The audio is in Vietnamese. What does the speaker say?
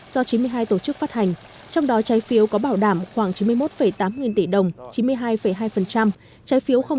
trái phiếu không có bảo đảm doanh nghiệp bất động sản phát hành